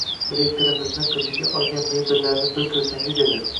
Direktorimizni qiziga olgan mebellarini bir koʻrsangiz edi